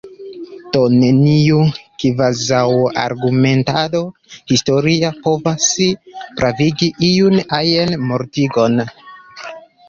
Do, neniu kvazaŭargumentado historia povas pravigi iun ajn mortigon.